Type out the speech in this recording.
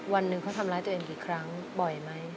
วันหนึ่งเขาทำร้ายตัวเองกี่ครั้งบ่อยไหม